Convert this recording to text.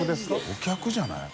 お客じゃない？